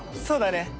そうだね。